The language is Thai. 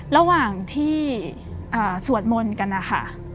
ระหว่างที่สวดมนต์กันนะคะ